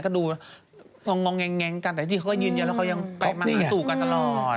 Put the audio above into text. ก็ดูงองแงงกันแต่ที่เขาก็ยืนยันแล้วเขายังกลับมาสู่กันตลอด